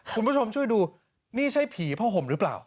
คุณผู้ชมช่วยดูนี่ใช่ผีผ้าห่มหรือเปล่า